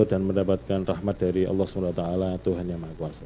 dan mendapatkan rahmat dari allah swt tuhan yang maha kuasa